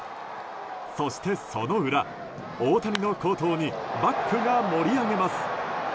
そしてその裏、大谷の好投にバックが盛り上げます。